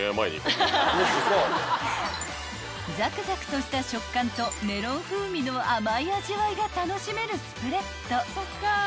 ［ザクザクとした食感とメロン風味の甘い味わいが楽しめるスプレッド］